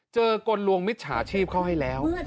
กลลวงมิจฉาชีพเขาให้แล้ว